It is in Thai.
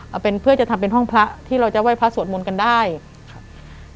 เอาเป็นเพื่อจะทำเป็นห้องพระที่เราจะไหว้พระสวดมนต์กันได้ครับ